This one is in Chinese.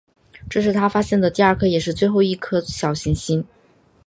这是他发现的第二颗也是最后一颗小行星。